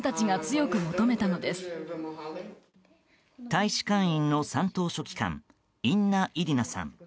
大使館員の三等書記官インナ・イリナさん。